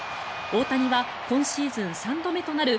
大谷は今シーズン３度目となる